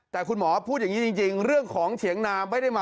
แต่คุณหมอพูดอย่างนี้จริงเรื่องของเถียงนาไม่ได้มา